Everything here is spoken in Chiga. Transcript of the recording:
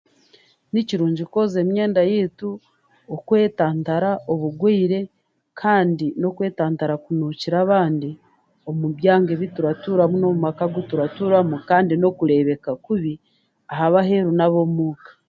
Ni kirungi kwozya emyenda yaitu, okwetantara obugwire, kandi n'okwetantara kunuukira abandi omu byanga bi turatuuramu n'omu maka gu turatuuramu kandi n'okureebeka kubi ahab'aheeru n'ab'omuuka.